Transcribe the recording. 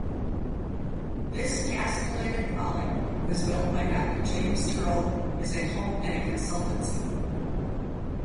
This castellated folly was built by Doctor James Turle as a home and consultancy.